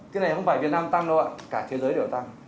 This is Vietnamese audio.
cái này không phải việt nam tăng đâu ạ cả thế giới đều tăng